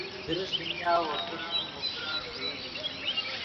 درست دنیا وو کرن مو کرن ݰوئی ڤی